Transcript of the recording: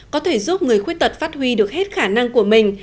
có thể giúp người khuyết tật phát huy được hết khả năng của mình